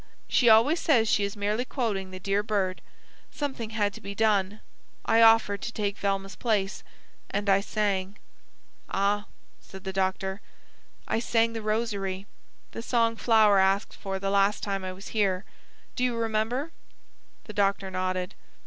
She always says she is merely quoting `the dear bird.' Something had to be done. I offered to take Velma's place; and I sang." "Ah," said the doctor. "I sang The Rosary the song Flower asked for the last time I was here. Do you remember?" The doctor nodded.